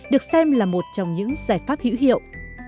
được xem là một trong những giải pháp hữu hiệu